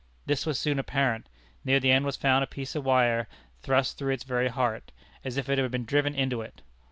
This was soon apparent. Near the end was found a piece of wire thrust through its very heart, as if it had been driven into it.